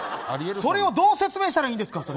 それをどう説明したらいいんですか。